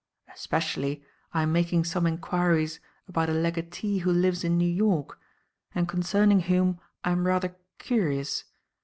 Especially, I am making some enquiries about a legatee who lives in New York, and concerning whom I am rather curious.